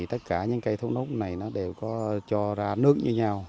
tất cả những cây thốt nốt này đều có cho ra nước như nhau